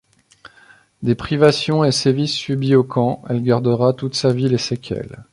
Des privations et sévices subis au camp, elle gardera toute sa vie les séquelles.